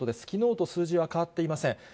きのうと数字は変わっていません。